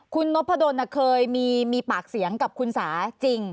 คุณนพดลเคยมีปากเสียงกับคุณสาจริง